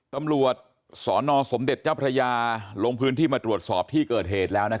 ตำรวจสนสมเด็จเจ้าพระยาลงพื้นที่มาตรวจสอบที่เกิดเหตุแล้ว